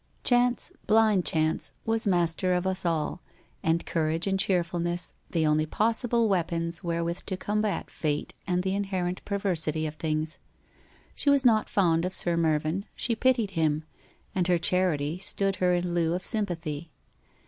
Chance, blind chance, was mas ter of us all, and courage and cheerfulness the only pos Bible weapons wherewith to combat Fate and the inherent perversity of things. She was not fond of Sir Mervyn, Bhe pitied him, and her charity stood her in lieu of sym pathy.